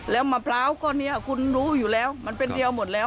แล้วมะพร้าวก็เนี่ยคุณรู้อยู่แล้วมันเป็นเดียวหมดแล้ว